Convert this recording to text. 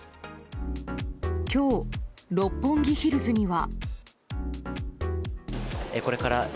今日、六本木ヒルズには。